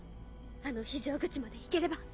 あの非常口まで行ければ。